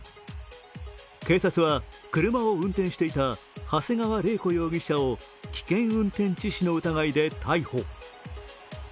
警察は車を運転していた長谷川玲子容疑者を危険運転致死の疑いで逮捕。